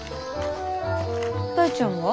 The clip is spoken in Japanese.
大ちゃんは？